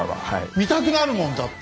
見たくなるもんだって！